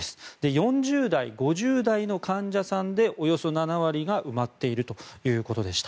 ４０代、５０代の患者さんでおよそ７割が埋まっているということでした。